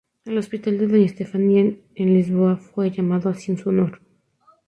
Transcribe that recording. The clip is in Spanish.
El Hospital de Doña Estefanía, en Lisboa, fue llamado así en su honor.